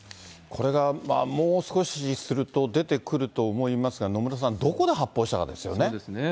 これがもう少しすると出てくると思いますが、野村さん、そうですね。